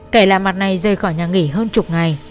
kẻ lạ mặt này rời khỏi nhà nghỉ hơn chục ngày